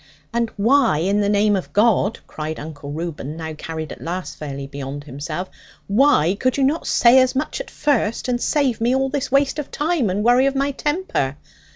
'And why, in the name of God,' cried Uncle Reuben now carried at last fairly beyond himself, 'why could you not say as much at first, and save me all this waste of time and worry of my temper?